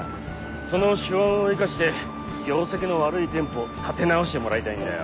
その手腕を生かして業績の悪い店舗を立て直してもらいたいんだよ。